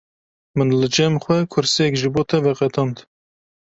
Min li cem xwe kursiyek ji bo te veqetand.